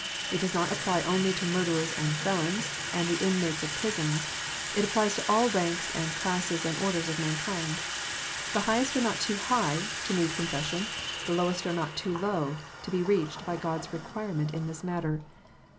It does not apply only to murderers, and felons, and the inmates of prisons : it applies to all ranks, and classes, and orders of mankind. The highest are not too high to need confession ; the lowest are not too low to be reached by God s requirement in this matter.